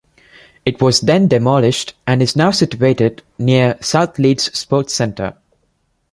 It was then demolished and is now situated near South Leeds Sports centre.